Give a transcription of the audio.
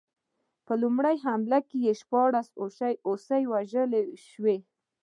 په لومړۍ حمله کې شپاړس هوسۍ ووژل شوې.